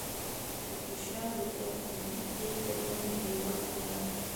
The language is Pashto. فوټوشاپ د تخلیقي ترمیم نړېوال معیار دی.